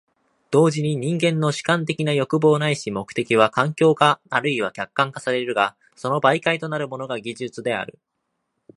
同時に人間の主観的な欲望ないし目的は環境化或いは客観化されるが、その媒介となるものが技術である。